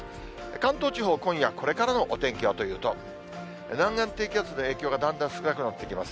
関東地方、今夜これからのお天気はというと、南岸低気圧の影響がだんだん少なくなってきます。